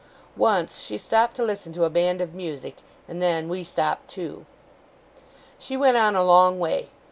Once, she stopped to listen to a band of music; and then we stopped too. She went on a long way.